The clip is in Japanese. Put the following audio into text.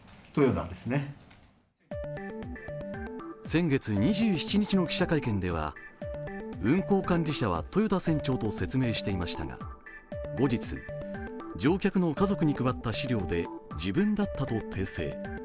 先月２７日の記者会見では運航管理者は豊田船長と説明していましたが後日、乗客の家族に配った資料で、自分だったと訂正。